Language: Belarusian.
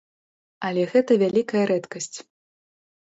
Але гэта вялікая рэдкасць.